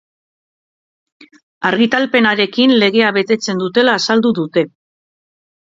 Argitalpenarekin legea betetzen dutela azaldu dute.